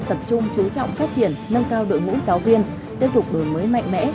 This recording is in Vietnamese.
tập trung chú trọng phát triển nâng cao đội ngũ giáo viên tiếp tục đổi mới mạnh mẽ